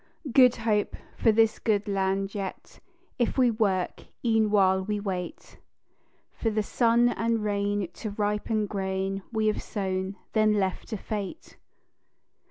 "Good Hope" for this good land yet, If we work, e'en while we wait For the sun and rain to ripen grain We have sown, then left to fate.